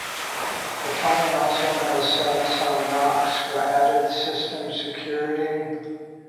The phone also has Samsung Knox for added system security.